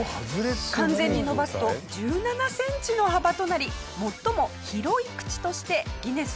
完全に伸ばすと１７センチの幅となり「最も広い口」としてギネス世界記録。